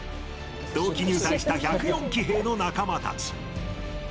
同期入隊した１０４期兵の仲間たち。